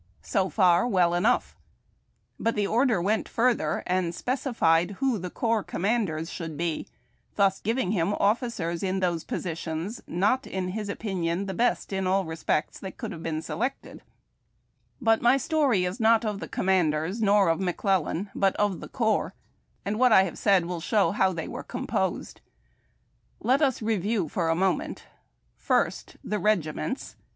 So far, well enough ; but the order went further, and specified who the corps commanders should be, thus depriving him of doing that for which he had waited, and giving him officers in those positions not, in his opinion, the best, in all respects, that could have been selected. But my story is not of the commanders, nor of McClellan, but of the corps, and what I have said will show how they were composed. Let us review for a moment : first, the regiments.